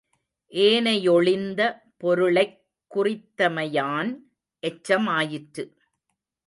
ஏனையொழிந்த பொருளைக் குறித்தமையான் எச்சமாயிற்று.